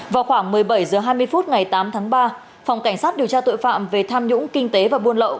vào khoảng một mươi bảy h hai mươi phút ngày tám tháng ba phòng cảnh sát điều tra tội phạm về tham nhũng kinh tế và buôn lậu